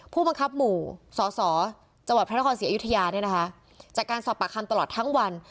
ผู้บังคับหมู่สศจธศิริยุธยาจากการสอบปากคำตลอดทั้งวัน